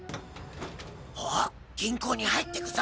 おっ銀行に入ってくぞ！